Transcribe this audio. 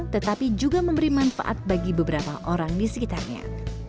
tetapi juga memberi manfaat bagi beberapa orang di sekitarnya